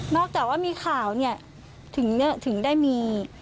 จากว่ามีข่าวเนี่ยถึงได้มี